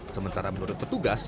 sementara menurut petugas